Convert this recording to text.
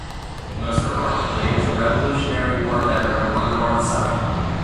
Most remarkably is a Revolutionary War veteran on the north side.